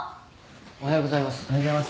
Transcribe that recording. おはようございます。